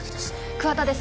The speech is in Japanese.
桑田です